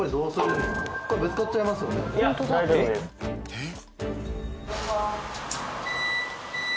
えっ？